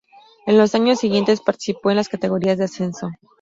En los años siguientes participó en las categorías de ascenso.